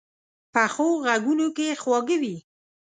پخو غږونو کې خواږه وي